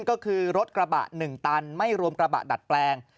สิ่งขึ้นบวกคือรถกระบะ๑ตันไม่รวมกระบะดัดแปลง